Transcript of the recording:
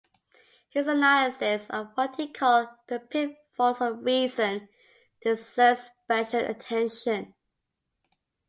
His analysis of what he called "the pitfalls of reason" deserves special attention.